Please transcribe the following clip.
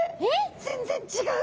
全然違う！